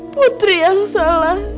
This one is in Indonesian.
putri yang salah